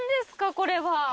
これは。